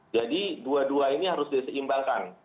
jadi dua dua ini harus diseimbangkan